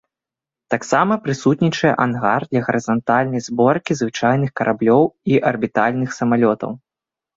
Таксама прысутнічае ангар для гарызантальнай зборкі звычайных караблёў і арбітальных самалётаў.